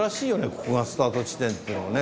ここがスタート地点っていうのはね。